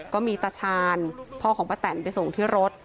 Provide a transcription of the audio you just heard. ตาชาญพ่อของป้าแตนไปส่งที่รถ